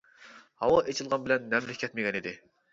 ھاۋا ئېچىلغان بىلەن نەملىك كەتمىگەن ئىدى.